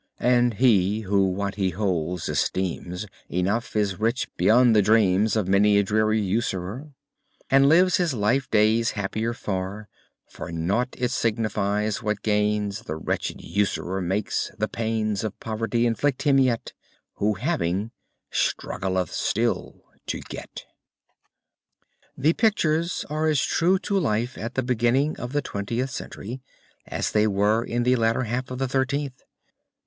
And he who what he holds esteems Enough, is rich beyond the dreams Of many a dreary usurer, And lives his life days happier far; For nought it signifies what gains The wretched usurer makes, the pains Of poverty afflict him yet Who having, struggleth still to get. The pictures are as true to life at the beginning of the Twentieth Century as they were in the latter half of the Thirteenth.